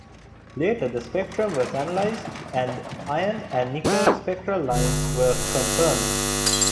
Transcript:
Later the spectrum was analyzed and Fe and Ni spectral lines were confirmed.